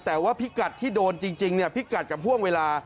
แต่ว่าพิกัดที่โดนจริงพิกัดกับห่วงเวลา